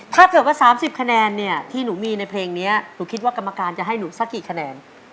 ถ้าเกิดว่า๓๐คะแนนเนี่ยที่หนูมีในเพลงนี้หนูคิดว่ากรรมการจะให้หนูสักกี่คะแนน